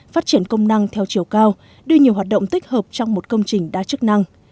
phát triển công năng theo chiều cao đưa nhiều hoạt động tích hợp trong một công trình đa chức năng